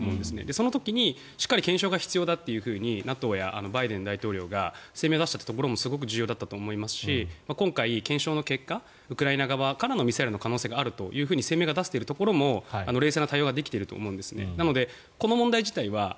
その時にしっかりと検証が必要だということでＮＡＴＯやバイデン大統領が声明を出したところもすごく重要だったと思いますし今回、検証の結果ウクライナ側のミサイルだという声明が出されているところも冷静な対応ができていると思うんですね。